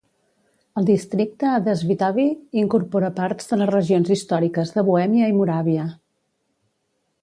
El districte de Svitavy incorpora parts de les regions històriques de Bohèmia i Moràvia.